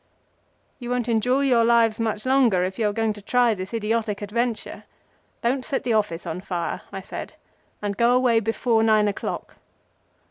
"You won't enjoy your lives much longer if you are going to try this idiotic adventure. Don't set the office on fire," I said, "and go away before nine o'clock."